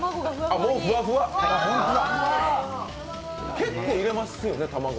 結構入れますよね、卵。